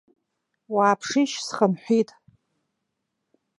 Уааԥшишь, схынҳәит!